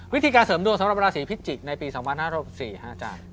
วิธีการเสริมดวงสำหรับราศีพิจิกษ์ในปี๒๕๖๔ฮะอาจารย์